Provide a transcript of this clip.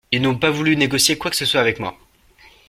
Ils n'ont pas voulu négocier quoi que ce soit avec moi.